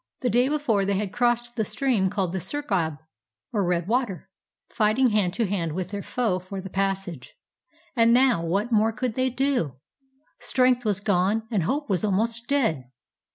The day before they had crossed the stream called the Surkh Ab, or " Red Water," fighting hand to hand with their foe for the passage. And now what more could they do? Strength was gone, and hope was almost dead.